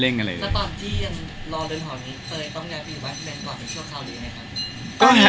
แล้วตอนที่ยังรอเดินทางนี้